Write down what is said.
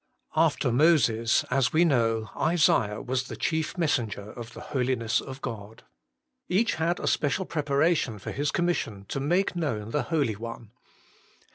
After Moses, as we know, Isaiah was the chief 108 HOLY IN CHRIST. messenger of the Holiness of God. Each had a special preparation for his commission to make known the Holy One.